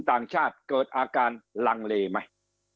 ต่างชาติเกิดอาการลังเลไหม